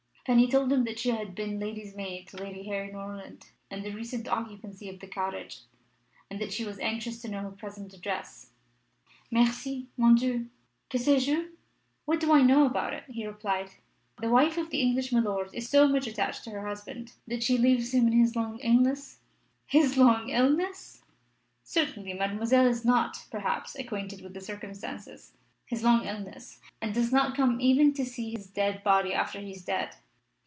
Fanny told him that she had been lady's maid to Lady Harry Norland, in the recent occupancy of the cottage, and that she was anxious to know her present address. "Merci, mon Dieu! que sais je? What do I know about it?" he replied. "The wife of the English milord is so much attached to her husband that she leaves him in his long illness " "His long illness?" "Certainly Mademoiselle is not, perhaps, acquainted with the circumstances his long illness; and does not come even to see his dead body after he is dead.